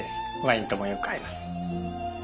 ワインともよく合います。